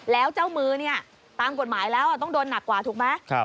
แล้วเจ้ามือเนี่ยตามกฎหมายแล้วต้องโดนหนักกว่าถูกไหม